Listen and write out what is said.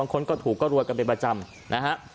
คนก็ถูกก็รวยกันเป็นประจำนะฮะ